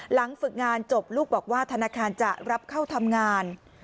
หลังฝึกงานจบลูกบอกว่าธนาคารจะรับเข้าทำงาน